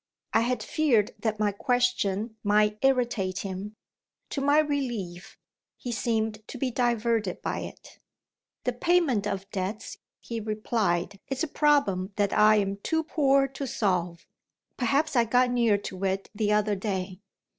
I had feared that my question might irritate him. To my relief, he seemed to be diverted by it. "The payment of debts," he replied, "is a problem that I am too poor to solve. Perhaps I got near to it the other day."